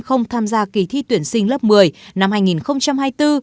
không tham gia kỳ thi tuyển sinh lớp một mươi năm hai nghìn hai mươi bốn hai nghìn hai mươi năm